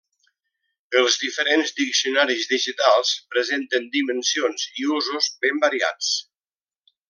Els diferents diccionaris digitals presenten dimensions i usos ben variats.